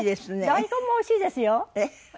大根もおいしいです。